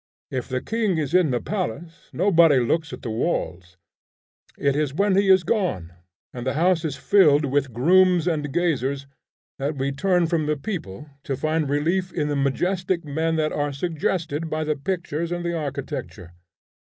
If the king is in the palace, nobody looks at the walls. It is when he is gone, and the house is filled with grooms and gazers, that we turn from the people to find relief in the majestic men that are suggested by the pictures and the architecture.